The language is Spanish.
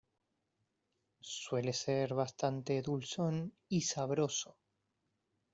Suele ser bastante dulzón y sabroso.